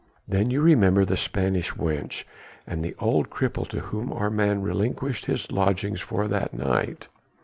"Then you remember the Spanish wench and the old cripple to whom our man relinquished his lodgings on that night."